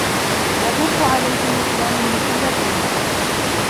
يَطُوفُ عَلَيْهِمْ وِلْدَانٌ مُخَلَّدُونَ